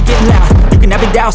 nggak dikunci ma